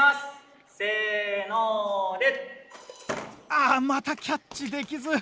あまたキャッチできず。